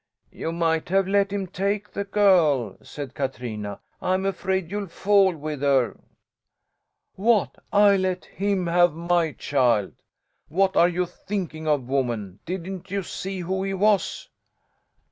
"You might have let him take the girl," said Katrina. "I'm afraid you'll fall with her!" "What, I let him have my child? What are you thinking of, woman! Didn't you see who he was?"